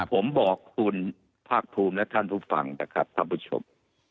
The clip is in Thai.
ผมบอกคุณภาคภูมิและท่านผู้ฟังนะครับท่านผู้ชม